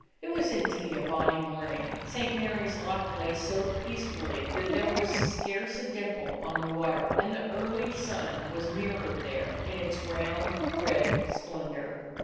It was indeed a bonny morning. St. Mary's Loch lay so peacefully that there was scarce a dimple on the water, and the early sun was mirrored there in its round, red splendor.